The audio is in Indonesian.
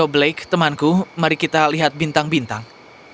blake temanku mari kita lihat bintang bintang